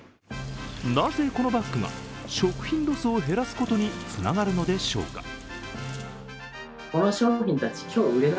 なぜ、このバッグが食品ロスを減らすことにつながるのでしょうか。